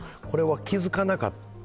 これは気付かなかった、